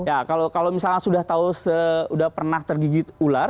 ya kalau misalnya sudah tahu sudah pernah tergigit ular